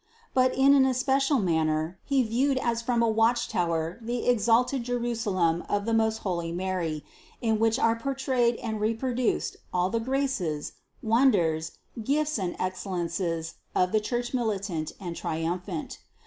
But in an especial manner he viewed as from a watchtower the exalted Jerusalem of the most holy Mary, in which are portrayed and repro duced all the graces, wonders, gifts and excellences of the Church militant and triumphant.